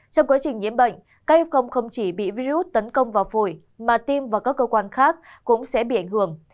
trong quá trình nhiễm bệnh các hiệp công không chỉ bị virus tấn công vào phổi mà tiêm vào các cơ quan khác cũng sẽ bị ảnh hưởng